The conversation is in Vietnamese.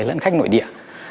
lẫn khách nội địa